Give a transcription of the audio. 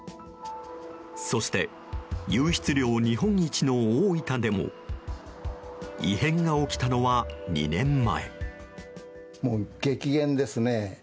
そして、湧出量日本一の大分でも異変が起きたのは２年前。